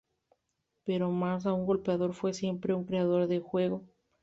Pero más que un goleador fue siempre un creador de juego.